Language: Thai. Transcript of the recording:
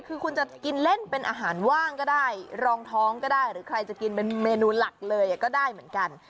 คือคุณจะกินเล่นเป็นอาหารว่างก็ได้รองท้องก็ได้หรือใครจะกินเป็นเมนูหลักเลยก็ได้เหมือนกัน